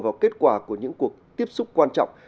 vào kết quả của những cuộc tiếp xúc quan trọng